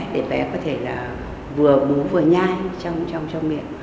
để bé có thể là vừa bú vừa nhai trong trong trong miệng